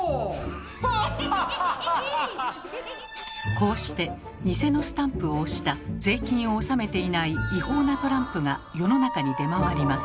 こうしてニセのスタンプを押した税金を納めていない違法なトランプが世の中に出回ります。